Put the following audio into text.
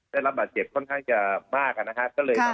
ได้รับบาดเจ็บค่อนข้างจะมากอะค่ะก็เลย